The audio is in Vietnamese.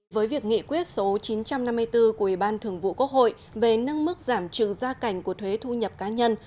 với việc nghị quyết số chín trăm năm mươi bốn của ủy ban thường vụ quốc hội về nâng mức giảm trừ gia cảnh của thuế thu nhập cá nhân